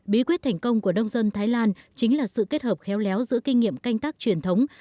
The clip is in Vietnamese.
bí quyết thành công của nông dân thái lan chính là sự kết hợp khéo léo giữa kinh nghiệm canh tác truyền thống